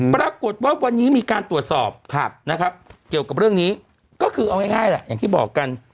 ปรากฏว่าวันนี้มีการตรวจสอบนะครับเกี่ยวกับเรื่องนี้ก็คือเอาง่ายแหละอย่างที่บอกกัน